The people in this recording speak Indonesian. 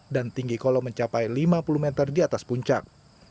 dan tinggi kolom mencapai lima puluh meter di atas puncak